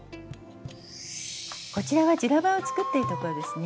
こちらは「ジュラバ」を作っているところですね。